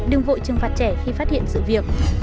đừng vội trừng phạt trẻ khi phát hiện sự việc